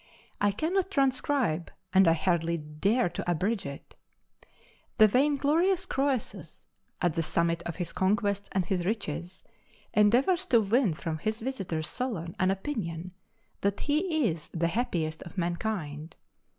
I cannot transcribe, and I hardly dare to abridge it. The vainglorious Croesus, at the summit of his conquests and his riches, endeavors to win from his visitor Solon an opinion that he is the happiest of mankind.